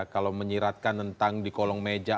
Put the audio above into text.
kalau menyiratkan tentang di kolong meja